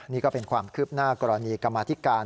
นี่ก็เป็นความคืบหน้ากรณีกรรมาธิการ